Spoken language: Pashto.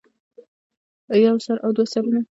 يو سر او دوه سرونه